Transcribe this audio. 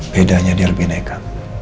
bedanya di albineka